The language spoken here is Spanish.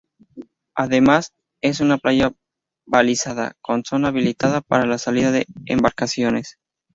Además, es una playa balizada con zona habilitada para la salida de embarcaciones.